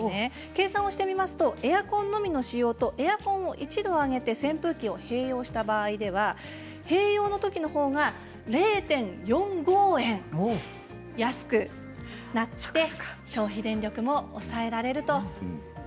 計算してみますとエアコンのみの使用とエアコンを１度、上げて扇風機を併用した場合では併用のときのほうが０．４５円安くなって消費電力もおさえられると。